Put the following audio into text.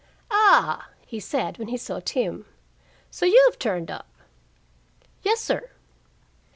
"Ah!" he said, when he saw Tim. "So you've turned up!" "Yes, sir."